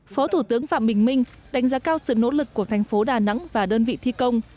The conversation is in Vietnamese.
phó thủ tướng phạm bình minh đánh giá cao sự nỗ lực của thành phố đà nẵng và đơn vị thi công